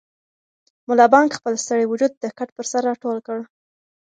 ملا بانګ خپل ستړی وجود د کټ پر سر راټول کړ.